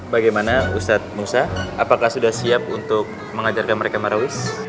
bagaimana ustadz musa apakah sudah siap untuk mengajarkan mereka marawih